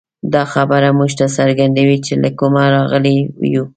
دا خبره موږ ته څرګندوي، چې له کومه راغلي یو.